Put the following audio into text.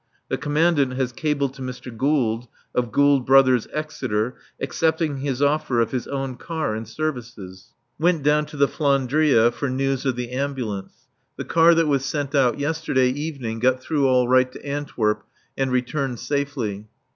(The Commandant has cabled to Mr. Gould, of Gould Bros., Exeter, accepting his offer of his own car and services.) Went down to the "Flandria" for news of the Ambulance. The car that was sent out yesterday evening got through all right to Antwerp and returned safely.